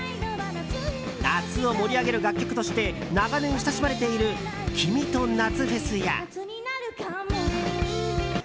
夏を盛り上げる楽曲として長年親しまれている「君と夏フェス」や。